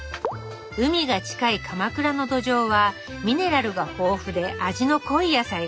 海が近い鎌倉の土壌はミネラルが豊富で味の濃い野菜が育ちます。